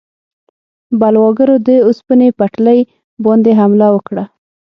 بلواګرو د اوسپنې پټلۍ باندې حمله وکړه.